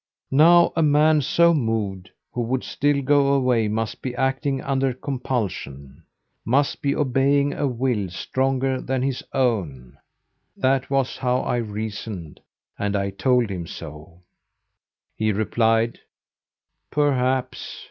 Now a man so moved who would still go away must be acting under compulsion must be obeying a will stronger than his own. That was how I reasoned, and I told him so. He replied 'Perhaps.